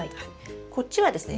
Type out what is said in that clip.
こっちはですね